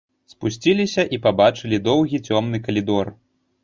Спусціліся і пабачылі доўгі цёмны калідор.